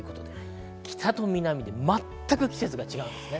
北と南で全く季節が違うんですね。